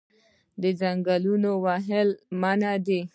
د ځنګلونو وهل منع دي